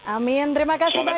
amin terima kasih banyak